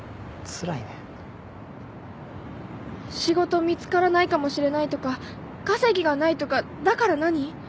仕事見つからないかもしれないとか稼ぎがないとかだから何？